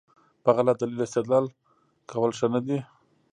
په غلط دلیل استدلال کول ښه نه دي.